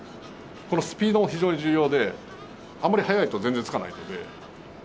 このスピードも非常に重要であんまり速いと全然つかないのでゆっくりです。